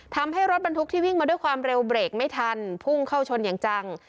ทำให้รถบรรทุกที่วิ่งมาด้วยความเร็วเบรกไม่ทันพุ่งเข้าชนอย่างจัง